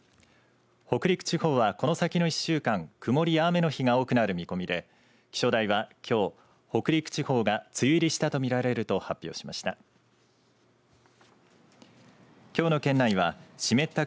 北陸地方はこの先の１週間曇りや雨の日が多くなる見込みで気象台はきょう、北陸地方が梅雨入りしたとみられると発表しました。